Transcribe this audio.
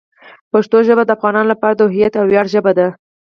پښتو ژبه د افغانانو لپاره د هویت او ویاړ ژبه ده.